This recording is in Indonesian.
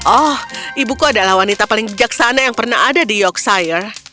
oh ibuku adalah wanita paling bijaksana yang pernah ada di yorkshire